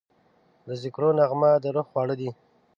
د ذکرو نغمه د روح خواړه ده.